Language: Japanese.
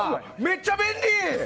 めっちゃ便利！